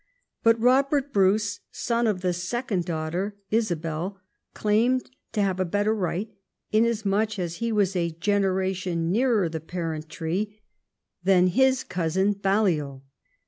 But Eobert Bruce, son of the second daughter, Isabel, claimed to have a better right inasmuch as he was a generation nearer the parent tree than his cousin Balliol.